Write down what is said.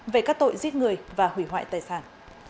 về các tội giết người và hủy hoại tài sản